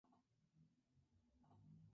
Es rica en savia lechosa.